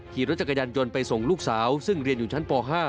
ขี่รถจักรยานยนต์ไปส่งลูกสาวซึ่งเรียนอยู่ชั้นป๕